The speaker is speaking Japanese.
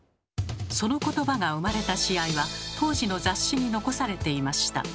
そのことばが生まれた試合は当時の雑誌に残されていました。